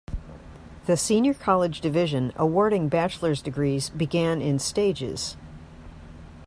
The Senior College division awarding bachelor's degrees began in stages.